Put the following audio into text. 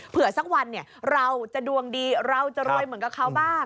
เผื่อสักวันเราจะดวงดีเราจะรวยเหมือนกับเขาบ้าง